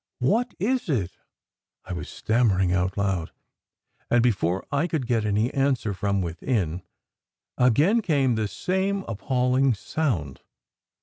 What is it?" I was stammering out aloud. And before I could get any answer from within, again came the same appalling SECRET HISTORY 113 sound.